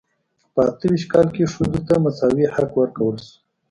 په اته ویشت کال کې ښځو ته مساوي حق ورکړل شو.